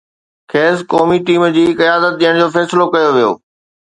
کيس قومي ٽيم جي قيادت ڏيڻ جو فيصلو ڪيو ويو.